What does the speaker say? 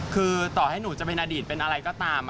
คือต่อให้หนูจะเป็นอดีตเป็นอะไรก็ตาม